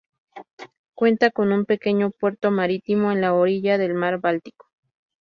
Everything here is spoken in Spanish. Cuenta con un pequeño puerto marítimo en la orilla del mar Báltico.